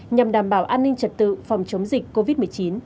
nhằm đảm bảo an ninh trật tự phòng chống dịch covid một mươi chín